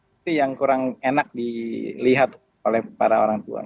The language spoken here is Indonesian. itu yang kurang enak dilihat oleh para orang tua